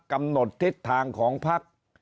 กำหนดทิศทางของพัก